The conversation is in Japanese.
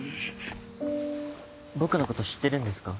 僕のこと知ってるんですか？